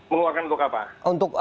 mengeluarkan untuk apa